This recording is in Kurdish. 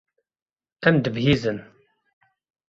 Em dibihîzin.